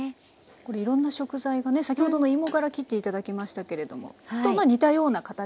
これいろんな食材がね先ほどの芋がら切って頂きましたけれども似たような形にサイズがそろってますね。